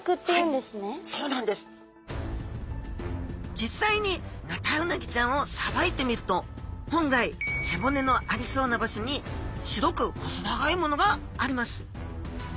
実際にヌタウナギちゃんをさばいてみると本来背骨のありそうな場所に白く細長いものがあります